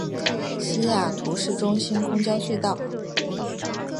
西雅图市中心公交隧道。